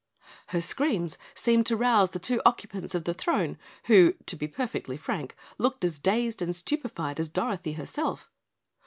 Her screams seemed to rouse the two occupants of the throne, who, to be perfectly frank, looked as dazed and stupefied as Dorothy herself.